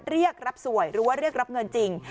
เรียกรับสวยหรือว่าเรียกรับเงินจริง